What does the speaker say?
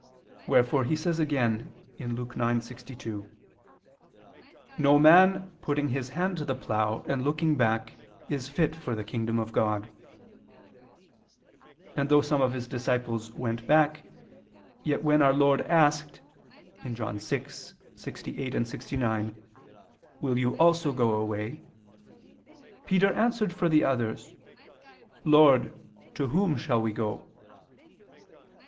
Wherefore He says again (Luke 9:62): "No man putting his hand to the plough, and looking back, is fit for the kingdom of God." And though some of His disciples went back, yet when our Lord asked (John 6:68, 69), "Will you also go away?" Peter answered for the others: "Lord, to whom shall we go?"